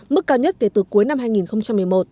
mức cao nhất kể từ cuối năm hai nghìn một mươi một